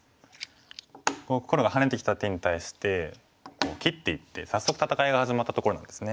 黒がハネてきた手に対して切っていって早速戦いが始まったところなんですね。